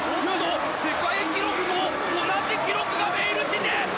世界記録と同じ記録だメイルティテ！